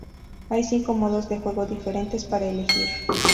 Hay cinco modos de juego diferentes para elegir.